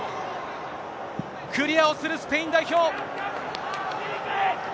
クリアをするスペイン代表。